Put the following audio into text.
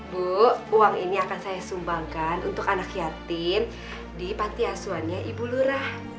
bu uang ini akan saya sumbangkan untuk anak yatim di panti asuhannya ibu lurah